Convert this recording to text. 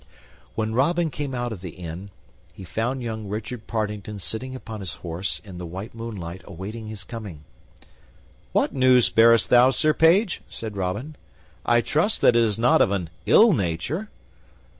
When Robin came out of the inn, he found young Richard Partington sitting upon his horse in the white moonlight, awaiting his coming. "What news bearest thou, Sir Page?" said Robin. "I trust that it is not of an ill nature."